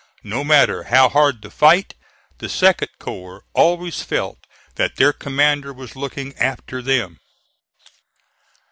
No matter how hard the fight, the 2d corps always felt that their commander was looking after them.